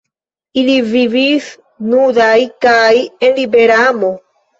Ili vivis nudaj kaj en libera amo.